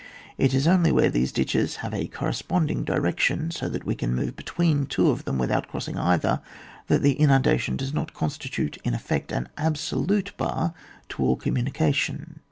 It is only where these ditches have a cor responding direction^ so that we can move between two of them without crossing either, that the inundation does not con* Btitute in effect an absolute bar to all communication.